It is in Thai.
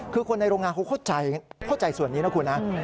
คือคนในโรงงานเขาเข้าใจส่วนนี้นะคุณนะ